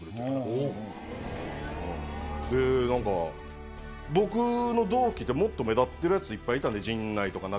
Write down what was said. で何か僕の同期ってもっと目立ってる奴いっぱいいたんで。